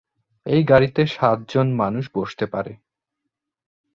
এই গাড়িতে সাতজন মানুষ বসতে পারে।